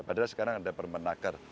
padahal sekarang ada yang pemenaker